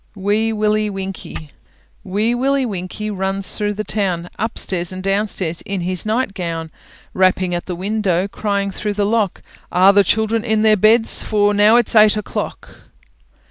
WEE WILLIE WINKIE Wee Willie Winkie runs through the town, Upstairs and downstairs in his nightgown, Rapping at the window, crying through the lock, "Are the children in their beds, for now it's eight o'clock?"